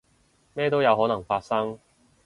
咩都有可能發生